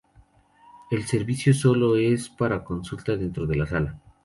El servicio solo es para consulta dentro de la sala.